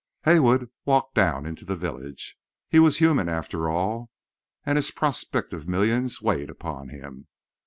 Haywood walked down into the village. He was human, after all, and his prospective millions weighed upon him.